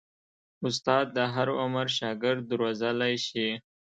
استاد د هر عمر شاګرد روزلی شي.